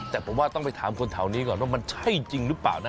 แต่ผมว่าต้องไปถามคนแถวนี้ก่อนว่ามันใช่จริงหรือเปล่านะ